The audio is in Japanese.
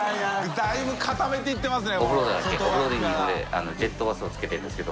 だいぶ遠めからいってますよ